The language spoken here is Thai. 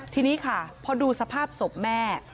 ทีนี้ค่ะพอดูสภาพศพแม่